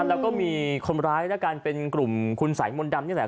แล้วก็มีคนร้ายแล้วกันเป็นกลุ่มคุณสายมนต์ดำนี่แหละ